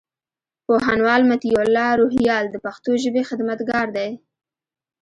پوهنوال مطيع الله روهيال د پښتو ژبي خدمتګار دئ.